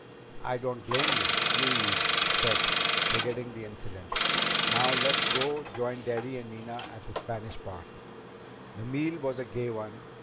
"I don't blame you," Louise said, forgetting the incident. "Now let's go join Daddy and Nina at the Spanish Park." The meal was a gay one.